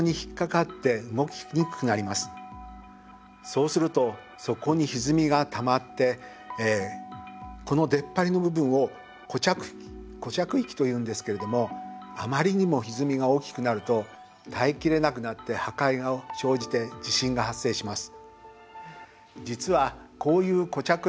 そうするとそこにひずみが溜まってこの出っ張りの部分を「固着域」というんですけれどもあまりにもひずみが大きくなると耐えきれなくなって破壊が生じて地震が発生します。